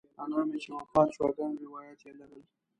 انا مې چې وفات شوه ګڼ روایات یې لرل.